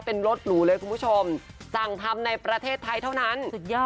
เป็นรถหรูเลยคุณผู้ชมสั่งทำในประเทศไทยเท่านั้นสุดยอด